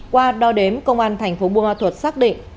qua đo đếm công an thành phố bùa thuật xác định